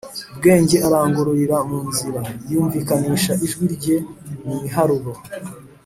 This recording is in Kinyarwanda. Bwenge arangururira mu nzira, Yumvikanisha ijwi rye mu miharuro,